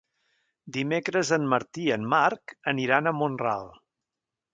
Dimecres en Martí i en Marc aniran a Mont-ral.